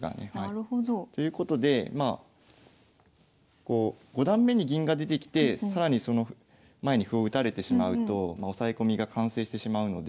なるほど。ということでまあ５段目に銀が出てきて更にその前に歩を打たれてしまうと押さえ込みが完成してしまうので。